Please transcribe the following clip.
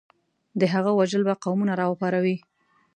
د هغه وژل به قومونه راوپاروي.